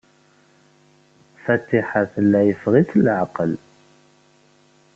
Fatiḥa tella yeffeɣ-itt leɛqel.